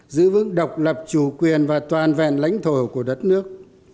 giữ vững độc lập chủ quyền và toàn vẹn lãnh thổ của đất nước